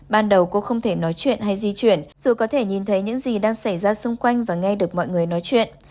ban đầu cô không thể nói chuyện hay di chuyển dù có thể nhìn thấy những gì đang xảy ra xung quanh và nghe được mọi người nói chuyện